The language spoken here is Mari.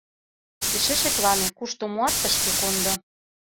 Эше шеклане, кушто муат — тышке кондо.